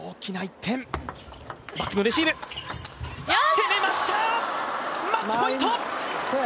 攻めました、マッチポイント！